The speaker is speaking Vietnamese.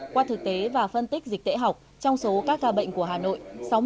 qua thực tế và phân tích dịch tễ học trong số các ca bệnh của hà nội